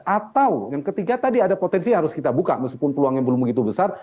atau yang ketiga tadi ada potensi yang harus kita buka meskipun peluangnya belum begitu besar